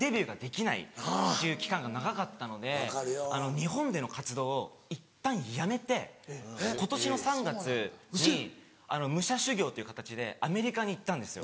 日本での活動をいったんやめて今年の３月に武者修行っていう形でアメリカに行ったんですよ。